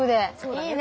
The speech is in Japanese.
いいね。